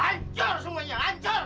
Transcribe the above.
ancur semuanya hancur